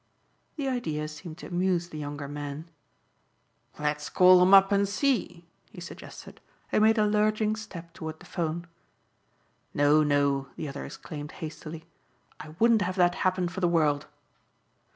The idea seemed to amuse the younger man. "Let's call 'em up and see," he suggested and made a lurching step toward the phone. "No, no," the other exclaimed hastily, "I wouldn't have that happen for the world."